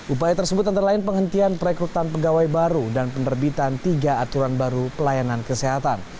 upaya tersebut antara lain penghentian perekrutan pegawai baru dan penerbitan tiga aturan baru pelayanan kesehatan